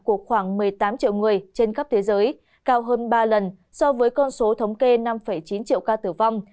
của khoảng một mươi tám triệu người trên khắp thế giới cao hơn ba lần so với con số thống kê năm chín triệu ca tử vong